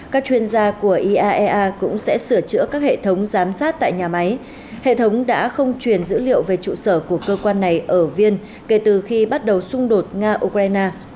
các chuyên gia của iaea cũng sẽ sửa chữa các hệ thống giám sát tại nhà máy hệ thống đã không truyền dữ liệu về trụ sở của cơ quan này ở viên kể từ khi bắt đầu xung đột nga ukraine